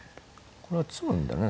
これは詰むんだね